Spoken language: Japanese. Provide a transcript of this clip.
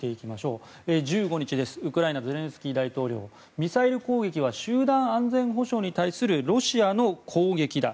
１５日、ウクライナのゼレンスキー大統領はミサイル攻撃は集団安全保障に対するロシアの攻撃だ。